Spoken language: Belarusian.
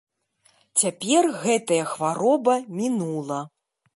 Цяпер гэтая хвароба мінула.